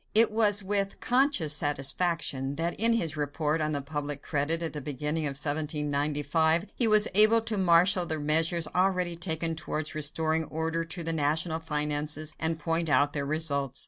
It was with conscious satisfaction that in his report on the public credit at the beginning of 1795 he was able to marshal the measures already taken towards restoring order to the national finances and point out their results.